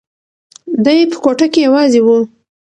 دی په کوټه کې یوازې و.